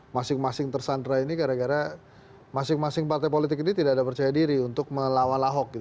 masing masing tersandra ini gara gara masing masing partai politik ini tidak ada percaya diri untuk melawan ahok